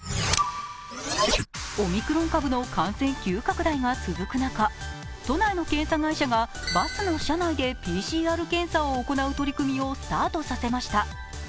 オミクロン株の感染急拡大が続く中、都内の検査会社がバスの車内でＰＣＲ検査を行う取り組みをスタートさせました。